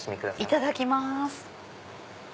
いただきます。